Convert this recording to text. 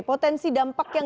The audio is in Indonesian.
potensi dampak yang ditentukan